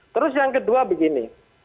terus yang kedua begini